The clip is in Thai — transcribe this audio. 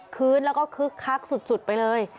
คืนแล้วก็คึกคักสุดไปเลย